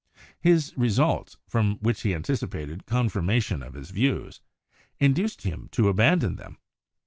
His results, from which he anticipated confirmation of his views, in duced him to abandon them.